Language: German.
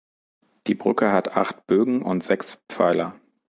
Die Brücke hat acht Bögen und sechs Pfeiler.